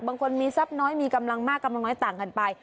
บางคนมีทรัพย์น้อยมีกำลังมากกำลังน้อยต่างกันไป